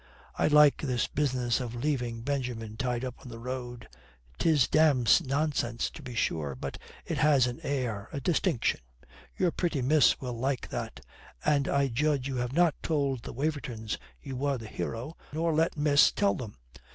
"I like this business of leaving Benjamin tied up on the road. 'Tis damned nonsense, to be sure, but it has an air, a distinction. Your pretty miss will like that. And I judge you have not told the Wavertons you were the hero, nor let miss tell them.